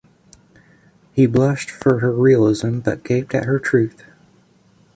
He blushed for her realism, but gaped at her truth.